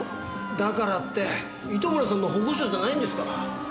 だからって糸村さんの保護者じゃないんですから。